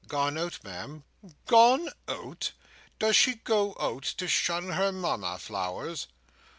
"Gone out, Ma'am." "Gone out! Does she go out to shun her Mama, Flowers?"